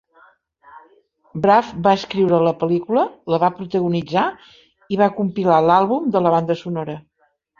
Braff va escriure la pel·lícula, la va protagonitzar i va compilar l'àlbum de la banda sonora.